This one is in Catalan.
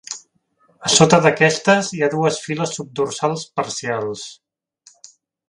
A sota d'aquestes, hi ha dues files subdorsals parcials.